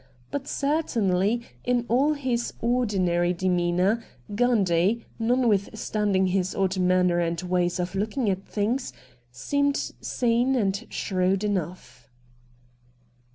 But certainly in all his ordinary 232 RED DIAMONDS demeanour Gundy, notwithstanding his odd manner and ways of looking at things, seemed sane and shrewd enough.